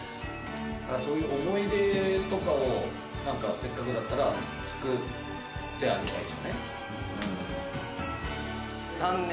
「そういう思い出とかをなんかせっかくだったら作ってあげたいですよね」